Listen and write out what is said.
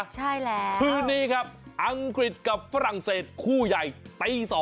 ใช่แล้วคืนนี้ครับอังกฤษกับฝรั่งเศสคู่ใหญ่ตี๒